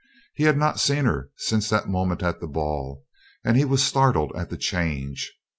He had not seen her since that moment at the ball, and he was startled at the change.